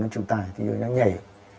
nó chịu tài thí dụ nhảy